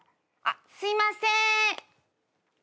あっすいません。